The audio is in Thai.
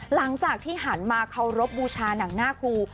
หลังจากที่หันมาเคารพบูชาหนังหน้าครู